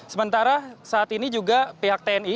sementara saat ini juga pihak tni